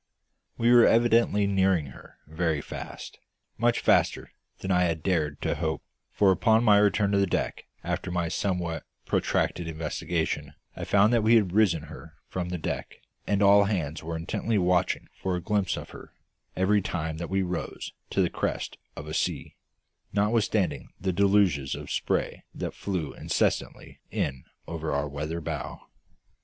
We were evidently nearing her very fast, much faster than I had dared to hope, for upon my return to the deck after my somewhat protracted investigation I found that we had risen her from the deck, and all hands were intently watching for a glimpse of her every time that we rose to the crest of a sea, notwithstanding the deluges of spray that flew incessantly in over our weather bow.